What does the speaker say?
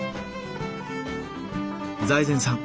財前さん